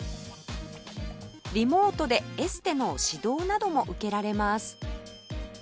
リモートでエステの指導なども受けられます